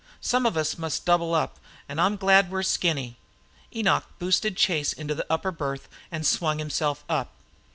Some of us must double up, an' I'm glad we 're skinny." Enoch boosted Chase into the upper berth and swung himself up.